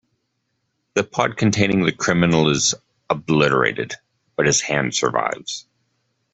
The pod containing the criminal is obliterated-but his hand survives.